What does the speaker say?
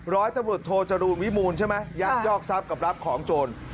ร้อยตำรวจโทจรูลวิมูลใช่ไหมยักยอกทรัพย์กับรับของโจร